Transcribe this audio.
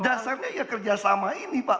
dasarnya ya kerjasama ini pak